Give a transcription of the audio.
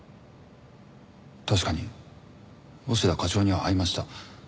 確かに押田課長には会いました。